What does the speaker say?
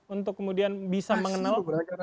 untuk kemudian bisa mengenal